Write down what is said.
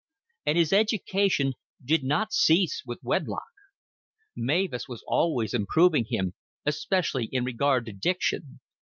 And his education did not cease with wedlock. Mavis was always improving him, especially in regard to diction.